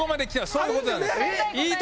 そういうことなんです。